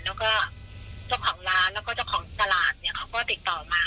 แล้วก็เจ้าของร้านแล้วก็เจ้าของตลาดเนี่ยเขาก็ติดต่อมา